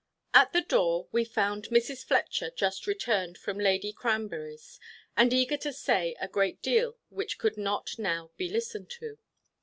At the door we found Mrs. Fletcher just returned from Lady Cranberry's, and eager to say a great deal which could not now be listened to.